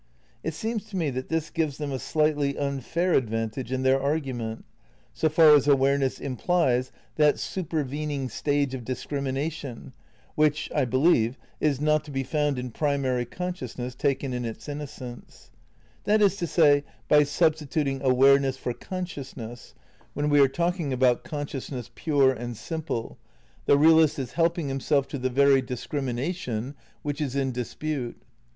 It seems to me that this gives them a slightly imfair advantage in their argument, so far as Aware ness implies that supervening stage of discrimination, which, I believe, is not to be found in primary conscious ness taken in its innocence. That is to say, by ^b stituting awareness for consciousness, when we are talking about consciousness pure and simple, the realist is helping himself to the very discrimination which is ^ Space, Time and Deity, Vol. I, p. 12. 280 THE NEW IDEALISM ix in dispute.